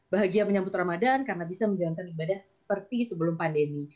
bahagia menyambut ramadan karena bisa menjalankan ibadah seperti sebelum pandemi